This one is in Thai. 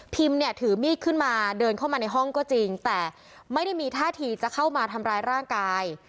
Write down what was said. เนี่ยถือมีดขึ้นมาเดินเข้ามาในห้องก็จริงแต่ไม่ได้มีท่าทีจะเข้ามาทำร้ายร่างกาย